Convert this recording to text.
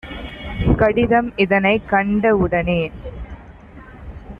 கடிதம் இதனைக் கண்ட வுடனே